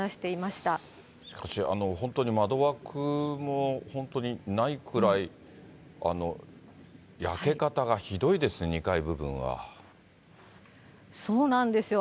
しかし本当に、窓枠も本当にないくらい、焼け方がひどいですね、そうなんですよ。